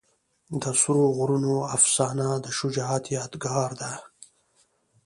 د سرو غرونو افسانه د شجاعت یادګار ده.